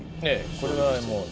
これはもうね